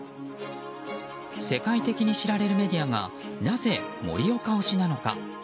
世界的に知られるメディアがなぜ盛岡推しなのか。